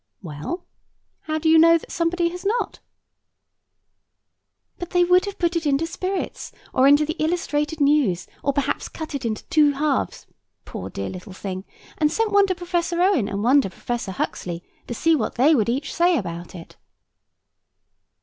Well. How do you know that somebody has not? "But they would have put it into spirits, or into the Illustrated News, or perhaps cut it into two halves, poor dear little thing, and sent one to Professor Owen, and one to Professor Huxley, to see what they would each say about it."